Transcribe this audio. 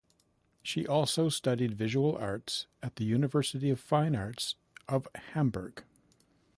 She also studied visual arts at the University of Fine Arts of Hamburg.